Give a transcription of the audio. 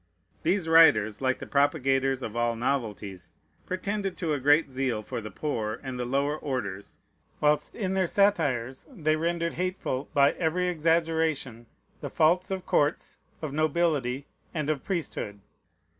These writers, like the propagators of all novelties, pretended to a great zeal for the poor and the lower orders, whilst in their satires they rendered hateful, by every exaggeration, the faults of courts, of nobility, and of priesthood.